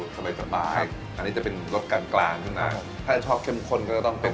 สบายอันนี้จะเป็นรสกลางขึ้นมาถ้าจะชอบเข้มข้นก็จะต้องเป็น